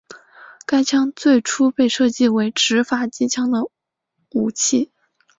该枪最初被设计为执法机关的武器。